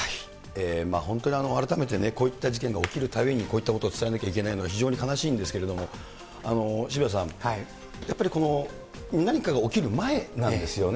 本当に改めてね、こういった事件が起きるたびに、こういったことを伝えなきゃいけないのが非常に悲しいんですけれども、渋谷さん、やっぱり、何かが起きる前なんですよね。